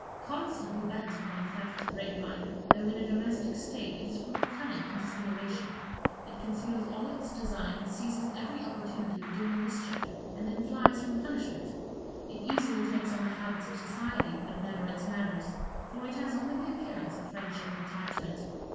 Constantly bent upon theft and rapine, though in a domestic state, it is full of cunning and dissimulation: it conceals all its designs, seizes every opportunity of doing mischief, and then flies from punishment. It easily takes on the habits of society, but never its manners; for it has only the appearance of friendship and attachment.